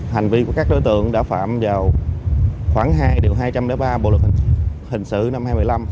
hành vi của các đối tượng đã phạm vào khoảng hai hai trăm linh ba bộ luật hình sự năm hai nghìn một mươi năm